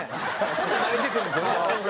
ほんなら慣れてくるんですよね。